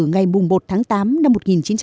ngày một tháng tám năm một nghìn chín trăm bảy mươi